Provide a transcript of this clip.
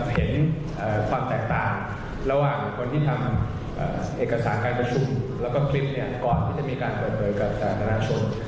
เห็นความแตกต่างระหว่างคนที่ทำเอกสารการประชุมแล้วก็คลิปก่อนที่จะมีการเปิดเผยกับสาธารณชน